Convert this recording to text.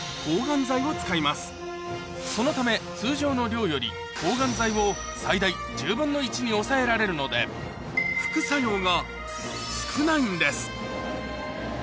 そのため通常の量より抗がん剤を最大１０分の１に抑えられるので副作用が少ないんです